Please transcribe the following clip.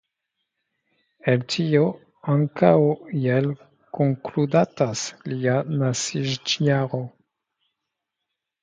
El tio ankaŭ iel konkludatas lia nasiĝjaro.